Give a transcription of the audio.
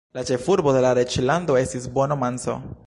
La ĉefurbo de la reĝlando estis Bono-Manso.